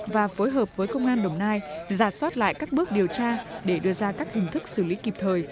và phối hợp với công an đồng nai giả soát lại các bước điều tra để đưa ra các hình thức xử lý kịp thời